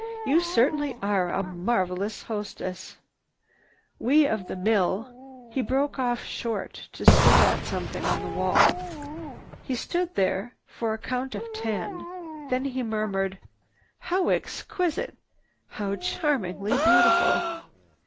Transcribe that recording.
You certainly are a marvelous hostess. We of the mill—" He broke short off to stare at something on the wall. He stood there for a count of ten, then he murmured, "How exquisite! How charmingly beautiful!"